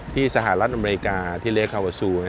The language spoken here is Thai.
สหรัฐอเมริกาที่เลคาวาซู